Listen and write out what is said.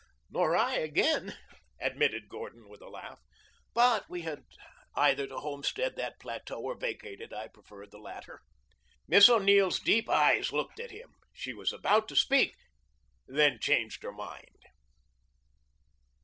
"Nor I again," admitted Gordon with a laugh. "But we had either to homestead that plateau or vacate it. I preferred the latter." Miss O'Neill's deep eyes looked at him. She was about to speak, then changed her mind.